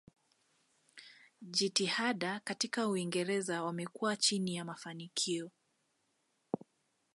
Jitihada katika Uingereza wamekuwa chini ya mafanikio.